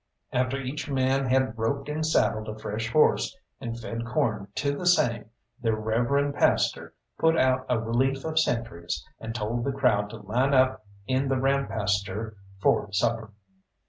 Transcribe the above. After each man had roped and saddled a fresh horse, and fed corn to the same, their reverend pastor put out a relief of sentries, and told the crowd to line up in the rampasture for supper.